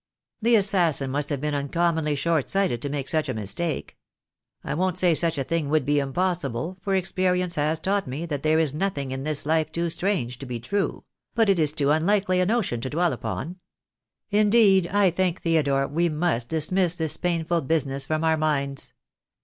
"The assassin must have been uncommonly short sighted to make such a mistake. I won't say such a thing would be impossible, for experience has taught me that there is nothing in this life too strange to be true; but it is too unlikely a notion to dwell upon. Indeed, I think, Theodore, we must dismiss this painful business from our minds.